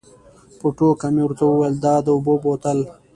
په ټوکه مې ورته وویل دا د اوبو بوتل.